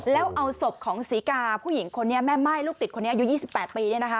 แล้วเอาศพของศรีกาผู้หญิงคนนี้แม่ม่ายลูกติดคนนี้อายุ๒๘ปี